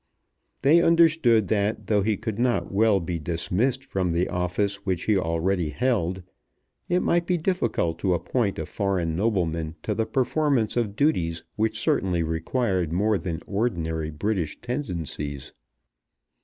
They understood that though he could not well be dismissed from the office which he already held, it might be difficult to appoint a foreign nobleman to the performance of duties which certainly required more than ordinary British tendencies.